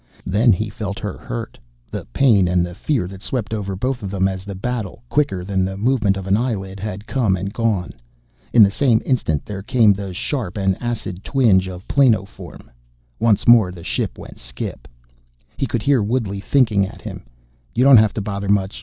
Then he felt her hurt, the pain and the fear that swept over both of them as the battle, quicker than the movement of an eyelid, had come and gone. In the same instant, there came the sharp and acid twinge of planoform. Once more the ship went skip. He could hear Woodley thinking at him. "You don't have to bother much.